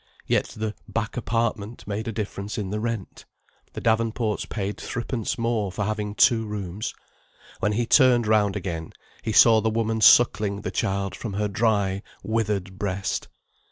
Yet the "back apartment" made a difference in the rent. The Davenports paid threepence more for having two rooms. When he turned round again, he saw the woman suckling the child from her dry, withered breast.